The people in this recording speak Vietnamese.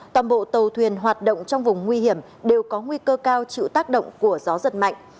toàn bộ tàu thuyền hoạt động trong vùng nguy hiểm đều có nguy cơ cao chịu tác động của gió giật mạnh